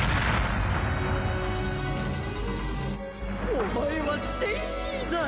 お前はステイシーザー！